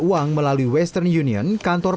uang melalui western union kantor